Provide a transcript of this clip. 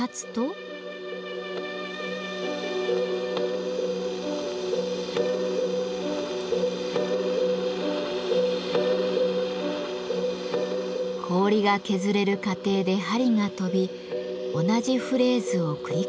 氷が削れる過程で針が飛び同じフレーズを繰り返すようになります。